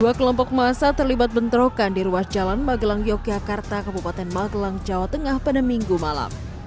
dua kelompok massa terlibat bentrokan di ruas jalan magelang yogyakarta kabupaten magelang jawa tengah pada minggu malam